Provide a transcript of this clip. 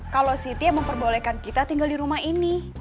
kalau siti yang memperbolehkan kita tinggal di rumah ini